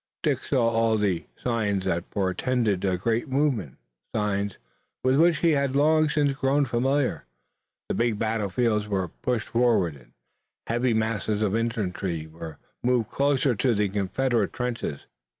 Dick saw all the signs that portended a great movement, signs with which he had long since grown familiar. The big batteries were pushed forward, and heavy masses of infantry were moved closer to the Confederate trenches.